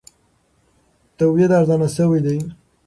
تولید ارزانه شوی دی.